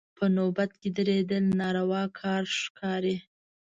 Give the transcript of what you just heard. په نوبت کې درېدل ناروا کار ښکاري.